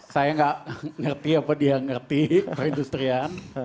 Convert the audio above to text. saya nggak ngerti apa dia ngerti perindustrian